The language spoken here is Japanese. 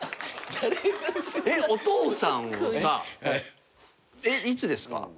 お父さんはさえっいつですか？